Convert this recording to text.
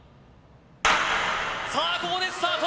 さあここでスタート